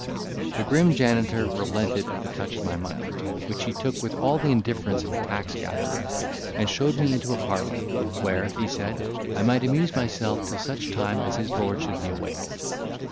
The grim janitor relented at the touch of my money, which he took with all the indifference of a taxgatherer, and showed me into a parlour, where, he said, I might amuse myself till such time as his lord should be awake.